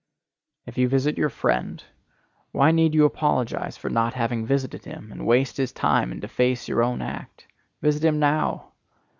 If you visit your friend, why need you apologize for not having visited him, and waste his time and deface your own act? Visit him now.